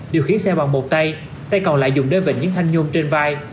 điều khiến xe bằng một tay tay còn lại dùng đeo vịnh những thanh nhôm trên vai